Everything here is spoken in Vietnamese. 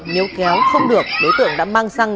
nếu kéo không được đối tượng đã mang xăng